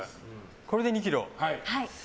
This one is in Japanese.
これで２ｋｇ？